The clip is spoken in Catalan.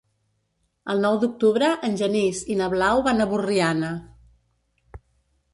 El nou d'octubre en Genís i na Blau van a Borriana.